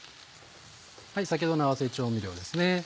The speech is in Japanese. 先ほどの合わせ調味料ですね。